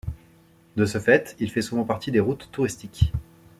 De ce fait, il fait souvent partie des routes touristiques.